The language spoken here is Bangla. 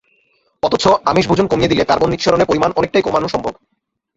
অথচ আমিষ ভোজন কমিয়ে দিলে কার্বন নিঃসরণের পরিমাণ অনেকটাই কমানো সম্ভব।